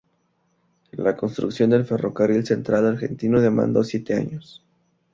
La construcción del Ferrocarril Central Argentino demandó siete años.